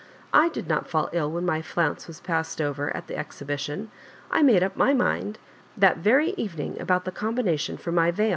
/ did not &11 ill when my flounce was passed over at the exhibition. I made up my mind that very even ing about the combination for my veU.